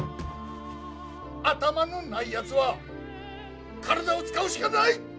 頭のないやつは体を使うしかない！